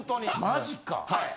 マジか。